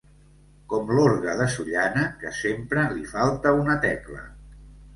Com l'orgue de Sollana, que sempre li falta una tecla.